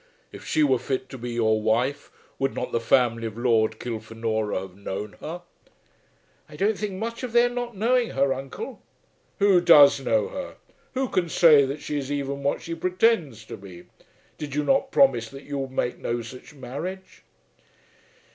If she were fit to be your wife, would not the family of Lord Kilfenora have known her?" "I don't think much of their not knowing her, uncle." "Who does know her? Who can say that she is even what she pretends to be? Did you not promise me that you would make no such marriage?"